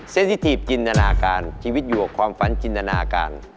ที่ถีบจินตนาการชีวิตอยู่กับความฝันจินตนาการ